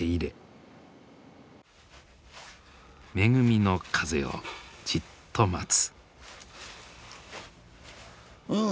恵みの風をじっと待つ。